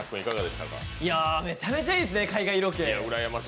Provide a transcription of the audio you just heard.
いや、めちゃめちゃいいですね、海外ロケ。